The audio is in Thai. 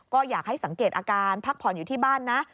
ก็อยากให้สังเกตอาการพักผ่อนอยู่ที่บ้านนะ